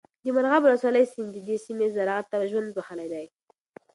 د مرغاب ولسوالۍ سیند د دې سیمې زراعت ته ژوند بخښلی دی.